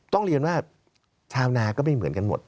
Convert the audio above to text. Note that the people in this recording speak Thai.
ต้องเรียนว่าชาวนาก็ไม่เหมือนกันหมด